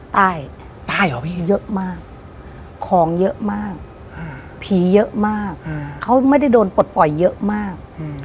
ใต้ใต้เหรอพี่เยอะมากของเยอะมากผีเยอะมากเขาไม่ได้โดนปลดปล่อยเยอะมาก